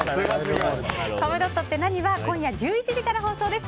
「コムドットって何？」は今夜１１時から放送です。